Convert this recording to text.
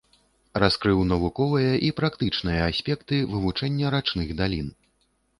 Раскрыў навуковыя і практычныя аспекты вывучэння рачных далін.